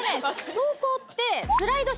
投稿って。